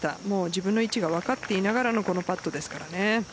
自分の位置が分かっていながらのこのパットですからね。